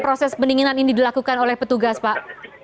proses pendinginan ini dilakukan oleh petugas pak